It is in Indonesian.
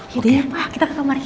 yaudah ya pak kita ke kamarnya